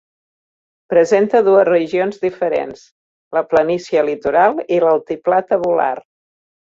Presenta dues regions diferents: la planícia litoral i l'altiplà tabular.